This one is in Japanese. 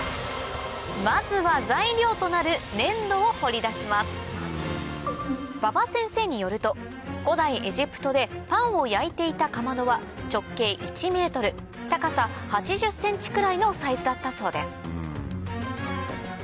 まずは材料となる粘土を掘り出します馬場先生によると古代エジプトでパンを焼いていたかまどは直径１ｍ高さ８０ｃｍくらいのサイズだったそうです